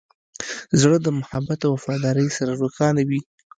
زړه د محبت او وفادارۍ سره روښانه وي.